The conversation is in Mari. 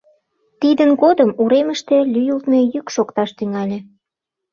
Тидын годым уремыште лӱйылтмӧ йӱк шокташ тӱҥале.